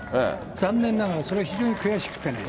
残念ながら、それ非常に悔しくてね。